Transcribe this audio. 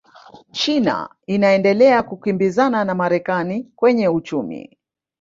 china inaendelea kukimbizana na marekani kwenye uchumi